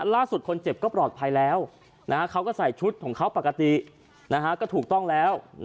ล่าสุดคนเจ็บก็ปลอดภัยแล้วเขาก็ใส่ชุดของเขาปกติก็ถูกต้องแล้ว